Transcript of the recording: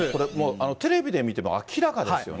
テレビで見ても、明らかですよね。